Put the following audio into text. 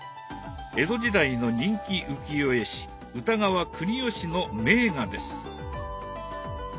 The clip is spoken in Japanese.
江戸時代の人気浮世絵師歌川国芳の名画です。